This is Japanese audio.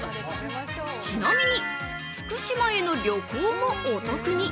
ちなみに福島への旅行もお得に。